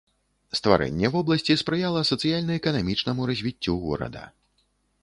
Стварэнне вобласці спрыяла сацыяльна-эканамічнаму развіццю горада.